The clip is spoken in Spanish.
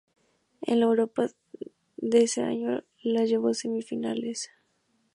En la Eurocopa de ese año la llevó a semifinales.